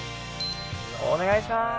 お願いします。